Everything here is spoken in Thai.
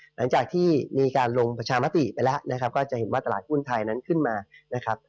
หลังจากที่มีการลงปัชมาติไปแล้วก็จะเห็นว่าตลาดปูนไทยนั้นขึ้นมา